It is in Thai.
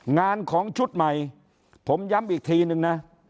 งานของชุดใหม่ผมย้ำอีกทีนึงนะ